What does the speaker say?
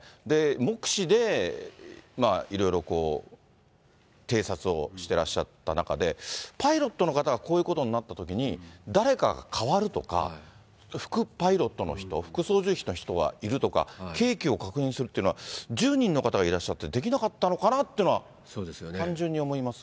目視で、いろいろ偵察をしてらっしゃった中で、パイロットの方がこういうことになったときに、誰かが代わるとか、副パイロットの人、副操縦士の人がいるとか、計器を確認するっていうのは、１０人の方がいらっしゃって、できなかったのかなっていうのは単純に思いますが。